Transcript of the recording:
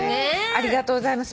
ありがとうございます。